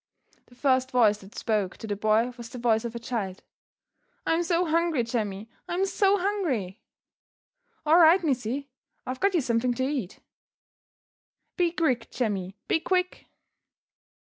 The first voice that spoke to the boy was the voice of a child. "I'm so hungry, Jemmy I'm so hungry!" "All right, missy I've got you something to eat." "Be quick, Jemmy! Be quick!"